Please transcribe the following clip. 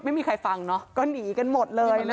ไม่มีใครฟังเนาะก็หนีกันหมดเลย